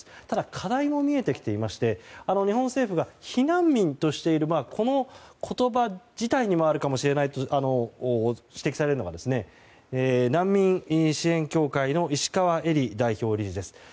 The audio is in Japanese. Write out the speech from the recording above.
ただ課題も見えてきていまして日本政府が避難民としているこの言葉自体にもあるかもしれないと指摘されるのが、難民支援協会の石川えり代表理事です。